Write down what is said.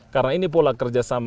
karena ini pola kerjasama